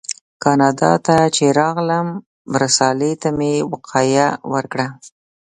کاناډا ته چې راغلم رسالې ته مې وقایه ورکړه.